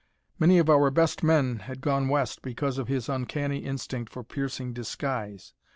Many of our best men had gone west because of his uncanny instinct for piercing disguise.